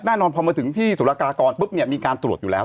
แน่นอนพอมาถึงที่สุรกากรมีการตรวจอยู่แล้ว